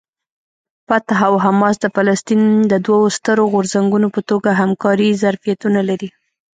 فتح او حماس د فلسطین د دوو سترو غورځنګونو په توګه همکارۍ ظرفیتونه لري.